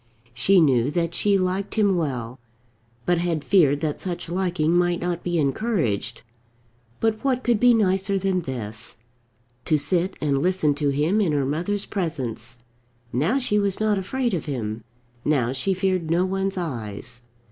She knew that she liked him well, but had feared that such liking might not be encouraged. But what could be nicer than this, to sit and listen to him in her mother's presence? Now she was not afraid of him. Now she feared no one's eyes.